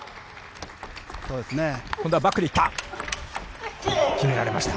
今度はバックで行った。